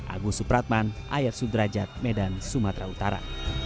agus supratman ayat sudrajat medan sumatera utara